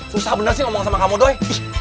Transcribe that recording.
susah bener sih ngomong sama kamu doi